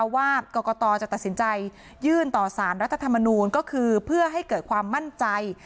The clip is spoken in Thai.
ว่ากรกตจะตัดสินใจยื่นต่อสารรัฐธรรมนูลก็คือเพื่อให้เกิดความมั่นใจ